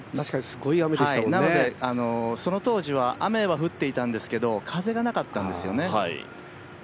その当時は雨は降っていたんですけど、風がなかったんですよね。